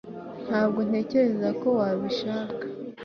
ntabwo ntekereza ko wabishaka